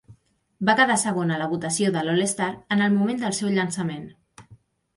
Va quedar segon a la votació de l'all-star en el moment del seu llançament.